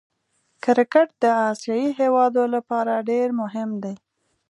کرکټ د آسيايي هېوادو له پاره ډېر مهم دئ.